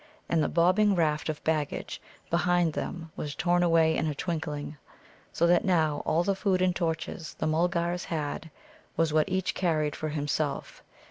And the bobbing raft of baggage behind them was torn away in a twinkling, so that now all the food and torches the Mulgars had was what each carried for himself.